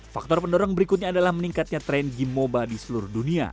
faktor pendorong berikutnya adalah meningkatnya tren game moba di seluruh dunia